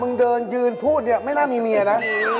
มึงเดินยืนพูดไม่น่ามีเมียนะ